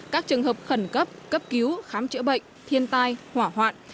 các trường hợp khẩn cấp cấp cứu khám chữa bệnh thiên tai hỏa hoạn